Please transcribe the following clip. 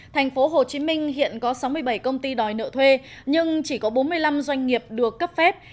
tp hcm hiện có sáu mươi bảy công ty đòi nợ thuê nhưng chỉ có bốn mươi năm doanh nghiệp